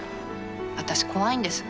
私怖いんです。